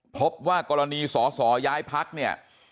พบว่ากรณีสยพเนี่ย